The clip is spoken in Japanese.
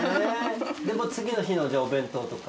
次の日のお弁当とか？